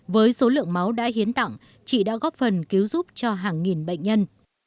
với số lượng máu đã hiến tặng chị đã góp phần cứu giúp cho hàng nghìn bệnh nhân